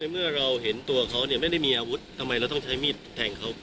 เมื่อเราเห็นตัวเขาไม่ได้มีอาวุธทำไมเราต้องใช้มีดแทงเขา